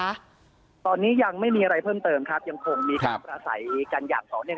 ตอนนี้ยังไม่มีอะไรเพิ่มเติมครับยังคงมีการประสัยกันอย่างต่อเนื่อง